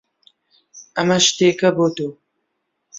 ئەمە شتێکە بۆ تۆ.